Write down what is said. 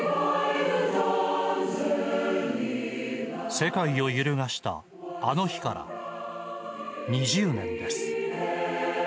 世界を揺るがしたあの日から２０年です。